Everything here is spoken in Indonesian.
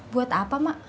buat apa mak